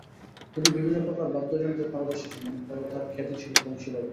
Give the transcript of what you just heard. তিনি বিভিন্ন প্রকার বাদ্যযন্ত্রে পারদর্শী ছিলেন, তবে তার খ্যাতি ছিল বংশীবাদনে।